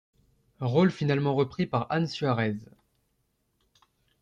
Rôle finalement repris par Anne Suarez.